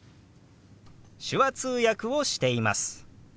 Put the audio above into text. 「手話通訳をしています」。